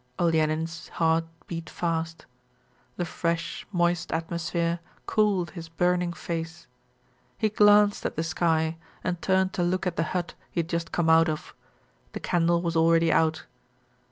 Olenin's heart beat fast. The fresh moist atmosphere cooled his burning face. He glanced at the sky and turned to look at the hut he had just come out of: the candle was already out.